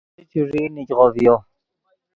آلو چوݱیئی نیگغو ڤیو